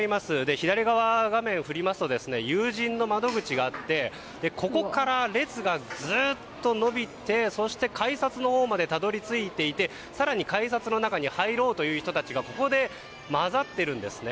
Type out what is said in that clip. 左側に画面を振りますと有人の窓口があってここから列がずっと延びて改札のほうまでたどり着いていて更に改札の中に入ろうという人たちがここで混ざっているんですね。